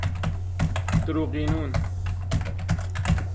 دروقینون